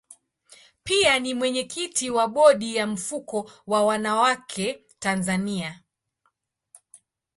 Pia ni mwenyekiti wa bodi ya mfuko wa wanawake Tanzania.